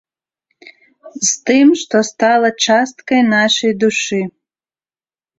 З тым, што стала часткай наша душы.